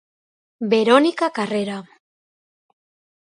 Verónica Carrera.